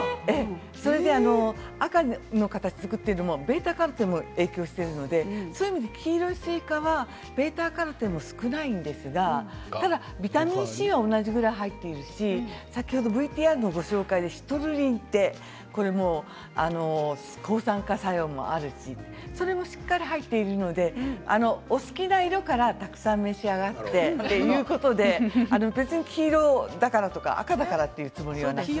赤を形づくっているのはβ−カロテンが影響しているのでそういう意味では黄色いスイカはβ−カロテンも少ないんですがビタミンＣも同じぐらい入っているしシトルリンこれも抗酸化作用もあるしそれもしっかりと入っているのでお好きな色からたくさん召し上がってということで別に黄色だからとか赤だからとかいうつもりはなくてね。